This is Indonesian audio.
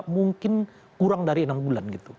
mungkin kurang dari enam bulan gitu